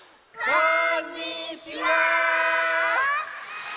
こんにちは！